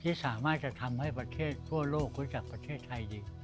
ที่สามารถจะทำให้ประเทศทั่วโลกรู้จักประเทศไทยอีก